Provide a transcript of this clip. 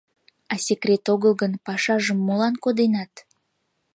— А секрет огыл гын, пашажым молан коденат?